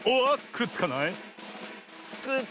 くっつかない！